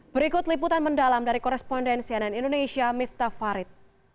berikut liputan mendalam dari koresponden cnn indonesia miftah farid